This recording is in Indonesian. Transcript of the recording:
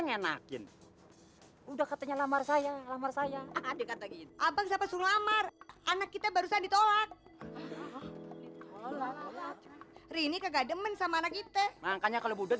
nah show exactamente hei bang soman bang soman bang soman bangslom has